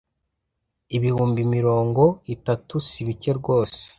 Ibihumbi mirongo itatu si bike rwose